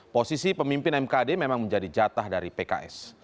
posisi pemimpin mkd memang menjadi jatah dari pks